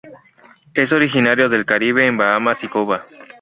Es originario del Caribe en Bahamas y Cuba.